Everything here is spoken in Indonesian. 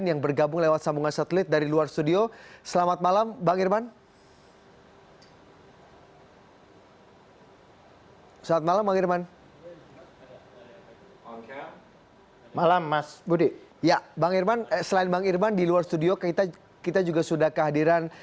ya bang irman selain bang irman di luar studio kita juga sudah kehadiran